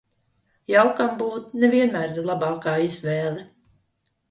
Jaukam būt, ne vienmēr ir labākā izvēle.